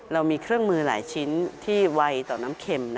เรามีเครื่องมือหลายชิ้นที่ไวต่อน้ำเข็ม